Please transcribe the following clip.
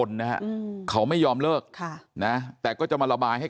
แล้วก็ยัดลงถังสีฟ้าขนาด๒๐๐ลิตร